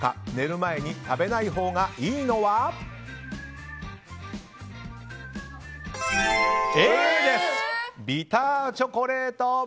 寝る前に食べないほうがいいのはＡです、ビターチョコレート。